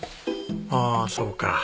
ああそうか。